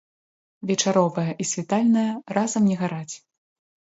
Вечаровая і світальная разам не гараць.